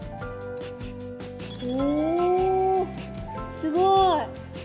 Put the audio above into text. おおすごい！